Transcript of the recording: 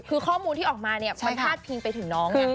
คือข้อมูลที่ออกมาเนี่ยมันพาดพิงไปถึงน้อง